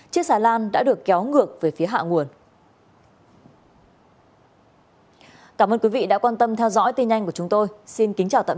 chiếc xà lan đã được kéo ngược về phía hạ nguồn